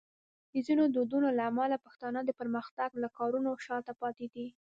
د ځینو دودونو له امله پښتانه د پرمختګ له کاروانه شاته پاتې دي.